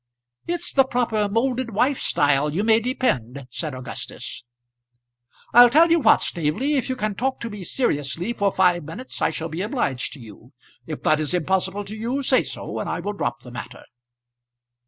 "It's the proper moulded wife style, you may depend," said Augustus. "I'll tell you what, Staveley, if you can talk to me seriously for five minutes, I shall be obliged to you. If that is impossible to you, say so, and I will drop the matter."